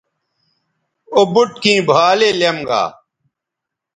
او بُٹ کیں بھالے لیم گا